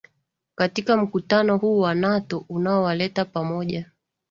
katika mkutano huu wa nato unaowaleta pamoja